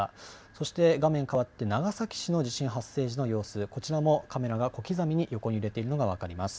そして画面変わって長崎市の地震発生時の様子、こちらもカメラが小刻みに横に揺れているのが分かります。